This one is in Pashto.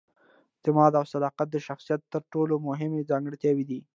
اعتماد او صداقت د شخصیت تر ټولو مهمې ځانګړتیاوې دي.